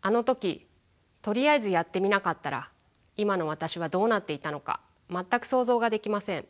あの時とりあえずやってみなかったら今の私はどうなっていたのか全く想像ができません。